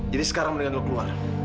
jadi sekarang mendingan lu keluar